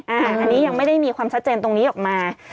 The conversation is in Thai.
อันนี้ยังไม่ได้มีความชัดเจนตรงนี้ออกมา